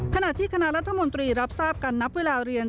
ขณะที่คณะรัฐมนตรีรับทราบกันนับเวลาเรียน